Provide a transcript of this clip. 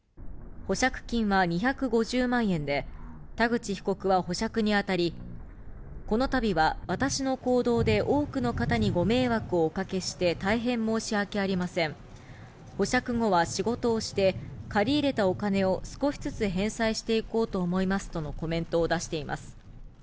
保釈金は２５０万円で、田口被告は保釈にあたり、このたびは、私の行動で多くの方にご迷惑をおかけして、大変申し訳ありません。保釈後は仕事をして、借り入れたお金を少しずつ返済していこうと思いますとのコメントを出しています。